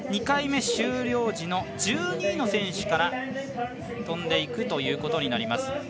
２回目終了時の１２位の選手からとんでいくことになります。